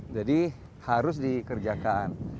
jadi harus dikerjakan